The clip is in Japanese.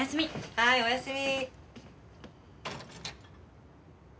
はいおやすみ。